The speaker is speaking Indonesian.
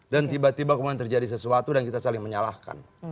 dan tiba tiba kemungkinan terjadi sesuatu dan kita saling menyalahkan